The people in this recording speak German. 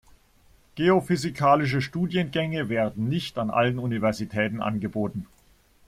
Geophysikalische Studiengänge werden nicht an allen Universitäten angeboten.